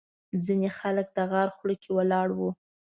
ځینې خلک د غار خوله کې ولاړ وو.